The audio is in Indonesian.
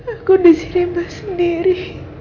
aku diserimah sendiri